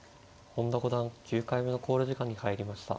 本田五段９回目の考慮時間に入りました。